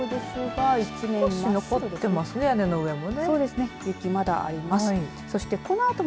少し残ってますね、屋根の上も。